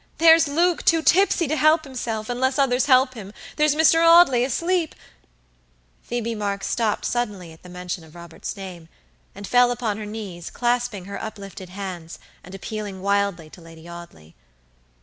"There's Luke, too tipsy to help himself, unless others help him; there's Mr. Audley asleep" Phoebe Marks stopped suddenly at the mention of Robert's name, and fell upon her knees, clasping her uplifted hands, and appealing wildly to Lady Audley.